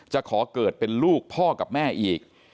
จะขอเกิดเป็นลูกพ่อกับแม่อีก